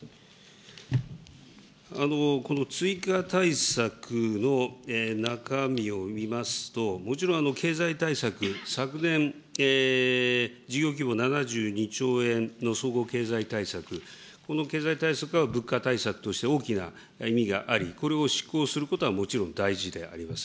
この追加対策の中身を見ますと、もちろん経済対策、昨年、事業規模７２兆円の総合経済対策、この経済対策は物価対策として大きな意味があり、これを執行することはもちろん大事であります。